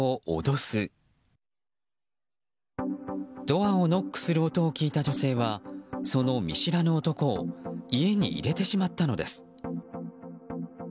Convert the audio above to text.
ドアをノックする音を聞いた女性はその見知らぬ男を家に入れてしまったのです。